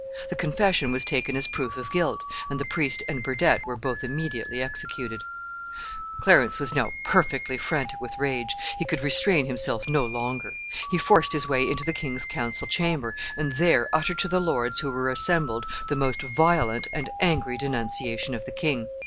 The confession was taken as proof of guilt, and the priest and Burdett were both immediately executed. Clarence was now perfectly frantic with rage. He could restrain himself no longer. He forced his way into the king's council chamber, and there uttered to the lords who were assembled the most violent and angry denunciation of the king.